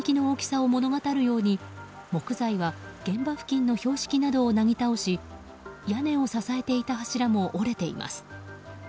衝撃の大きさを物語るように木材は現場付近の標識などをなぎ倒し屋根を支えていた柱も折れています。